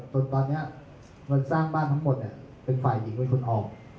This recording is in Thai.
จนตอนนี้เงินสร้างบ้านทั้งหมดเป็นฝ่ายหญิงเป็นคนออก